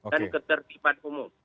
dan ketertiban umum